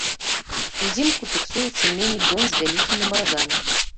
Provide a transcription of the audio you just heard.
Узімку фіксуецца меней дзён з вялікімі маразамі.